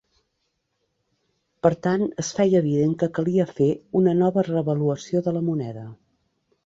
Per tant, es feia evident que calia fer una nova revaluació de la moneda.